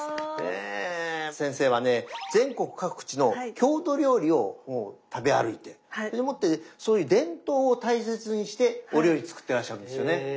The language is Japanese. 先生はね全国各地の郷土料理を食べ歩いてでもってそういう伝統を大切にしてお料理作ってらっしゃるんですよね。